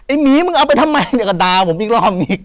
หมีมึงเอาไปทำไมเนี่ยก็ด่าผมอีกรอบนี้